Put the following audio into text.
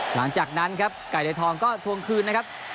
หลังจากนั้นครับไก่ในทองก็ทวงคืนนะครับ